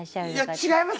違います